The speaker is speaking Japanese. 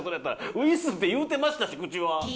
「ウイッス」って言うてましたし口は。